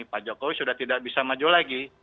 pak jokowi sudah tidak bisa maju lagi